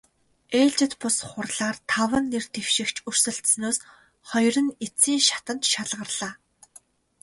Ээлжит бус хурлаар таван нэр дэвшигч өрсөлдсөнөөс хоёр нь эцсийн шатанд шалгарлаа.